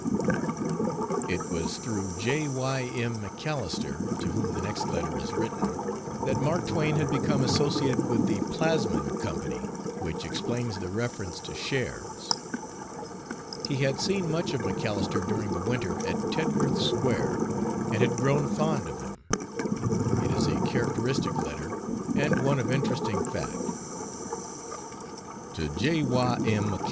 It was through J. Y. M. MacAlister, to whom the next letter is written, that Mark Twain had become associated with the Plasmon Company, which explains the reference to "shares." He had seen much of MacAlister during the winter at Tedworth Square, and had grown fond of him. It is a characteristic letter, and one of interesting fact. To J. Y. M.